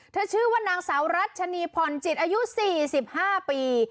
เธอชื่อว่านางสาวรัชนีพรจิตอายุสี่สิบห้าปี